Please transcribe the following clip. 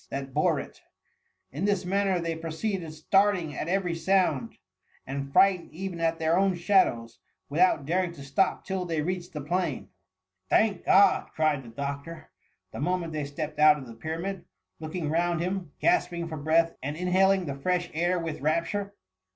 that bore it In this manner they proceeded starting at every sound, and frightened even at their own shadows, without daring to stop till they reached the plain. Thank God T cried the doctor, the mo ment they stepped out of the Pyramid ; looking round him, gasping for breath, and inhaling the fresh air with rapture.